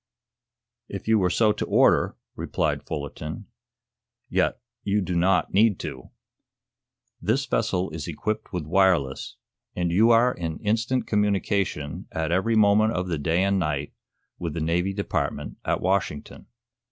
"If you were so to order," replied Fullerton. "Yet you do not need to. This vessel is equipped with wireless, and you are in instant communication, at every moment of the day and night, with the Navy Department at Washington."